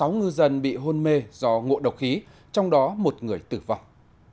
sáu ngư dân bị hôn mê do ngộ độc khí trong đó một người tử vong